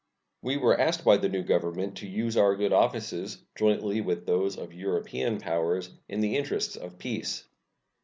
We were asked by the new Government to use our good offices, jointly with those of European powers, in the interests of peace.